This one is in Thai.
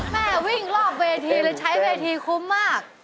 แม่วิ่งรอบเวทีเลยใช้เวทีคุ้มมาก